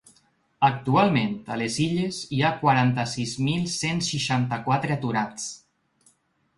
Actualment a les Illes hi ha quaranta-sis mil cent seixanta-quatre aturats.